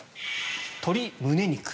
鶏胸肉。